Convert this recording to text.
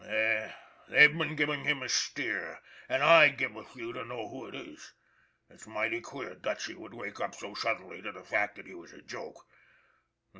They've been giving him a steer, and I'd give a few to know who it is. It's mighty queer Dutchy would wake up so suddenly to the fact that he was a joke.